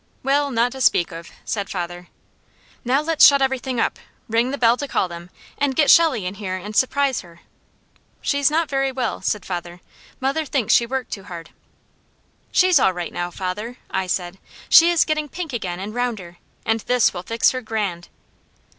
"Well, not to speak of," said father. "Now let's shut everything up, ring the bell to call them, and get Shelley in here and surprise her." "She's not very well," said father. "Mother thinks she worked too hard." "She's all right now, father," I said. "She is getting pink again and rounder, and this will fix her grand."